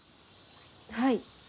はい。